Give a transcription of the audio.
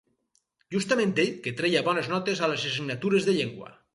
Justament ell, que treia bones notes a les assignatures de llengua.